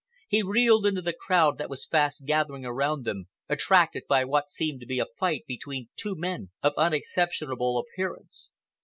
He reeled into the crowd that was fast gathering around them, attracted by what seemed to be a fight between two men of unexceptionable appearance.